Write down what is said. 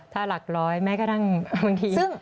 ถ้าหลักร้อยแม้กระทั่งบางที